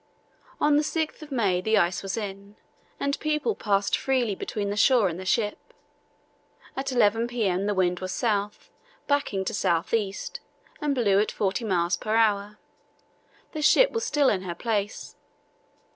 "On the 6th May the ice was in and people passed freely between the shore and the ship. At 11 p.m. the wind was south, backing to south east, and blew at forty miles per hour. The ship was still in her place.